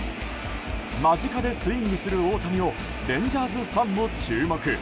間近でスイングする大谷をレンジャーズファンも注目。